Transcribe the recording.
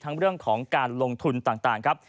เรื่องของการลงทุนต่างครับ